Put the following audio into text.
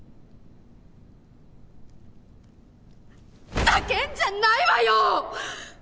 ふざけんじゃないわよ！